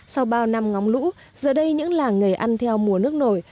sau bao năm ngóng lũ giờ đây những làng nghề ăn theo mùa nước nổi